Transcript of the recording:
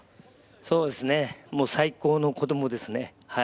そうですね、最高の子供ですね。